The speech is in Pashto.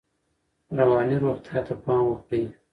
رواني روغتیا ته پام وکړئ.